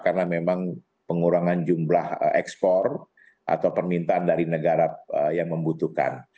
karena memang pengurangan jumlah ekspor atau permintaan dari negara yang membutuhkan